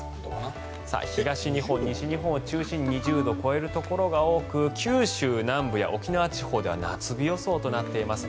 東日本、西日本を中心に２０度を超えるところが多く九州南部や沖縄地方では夏日予想となっています。